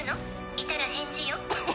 いたら返事よ？